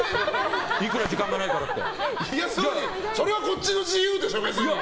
いくら時間がないからって。